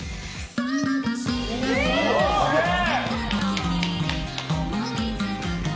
すげえ！